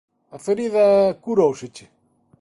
A ferida, curóuseche?